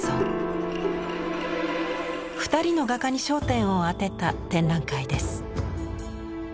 ２人の画家に焦点を当てた展覧会です。